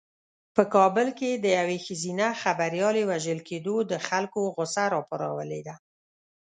په کابل کې د یوې ښځینه خبریالې وژل کېدو د خلکو غوسه راپارولې ده.